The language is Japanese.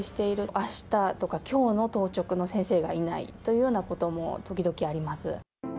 あしたとか、きょうの当直の先生がいないというようなことも、時々あります。